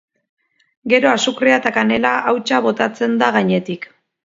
Gero azukrea eta kanela hautsa botatzen da gainetik.